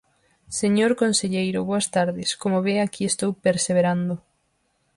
Señor conselleiro, boas tardes, como ve, aquí estou perseverando.